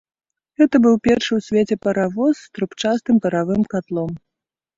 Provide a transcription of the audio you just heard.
Гэта быў першы ў свеце паравоз з трубчастым паравым катлом.